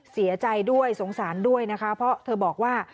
เสียใจด้วยสงสารด้วยนะคะเพราะเธอบอกว่า